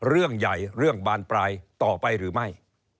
เรื่องใหญ่เรื่องบานปลายต่อไปหรือไม่